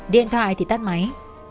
điện thoại thì tắt máy